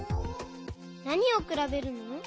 なにをくらべるの？